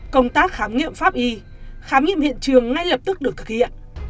công tác khám nghiệm pháp y khám nghiệm hiện trường ngay lập tức được thực hiện